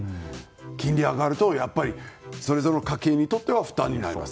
金利が上がるとそれぞれの家計にとっては負担になります。